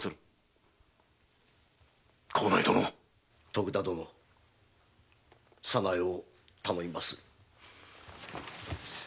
幸内殿‼徳田殿早苗を頼みます。